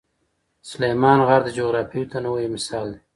سلیمان غر د جغرافیوي تنوع یو مثال دی.